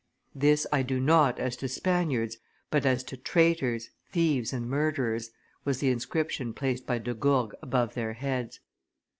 "This I do not as to Spaniards, but as to traitors, thieves, and murderers," was the inscription placed by De Gourgues above their heads.